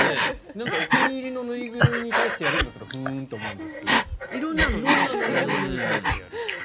お気に入りの縫いぐるみに対してやるんだったらふーんって思うんですけど色んな縫いぐるみに対してやる。